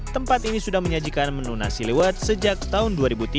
tempat ini sudah menyajikan menu nasi liwet sejak tahun dua ribu tiga